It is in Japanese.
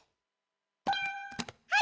はい。